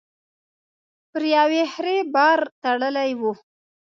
پر يوې خرې بار تړلی و.